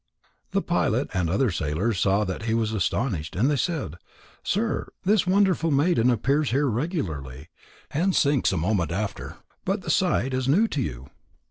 The pilot and other sailors saw that he was astonished, and they said: "Sir, this wonderful maiden appears here regularly, and sinks a moment after, but the sight is new to you."